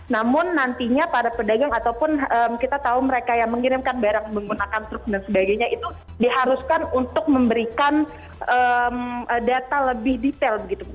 namun nantinya para pedagang ataupun kita tahu mereka yang mengirimkan barang menggunakan truk dan sebagainya itu diharuskan untuk memberikan data lebih detail begitu